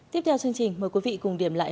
tiếp theo chương trình mời quý vị cùng điểm lại